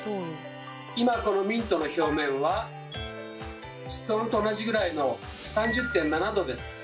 今このミントの表面は室温と同じぐらいの３０．７℃です。